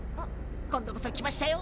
今度こそ来ましたよ。